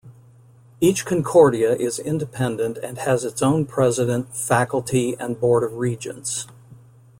Each Concordia is independent and has its own president, faculty, and board of regents.